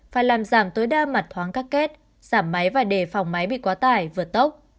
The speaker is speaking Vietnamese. phải làm giảm tối đa mặt thoáng các két giảm máy và đề phòng máy bị quá tải vượt tốc